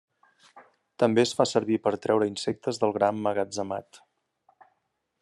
També es fa servir per treure insectes del gra emmagatzemat.